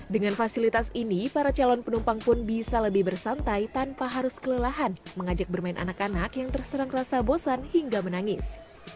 dengan fasilitas ini para calon penumpang pun bisa lebih bersantai tanpa harus kelelahan mengajak bermain anak anak yang terserang rasa bosan hingga menangis